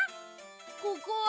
ここは？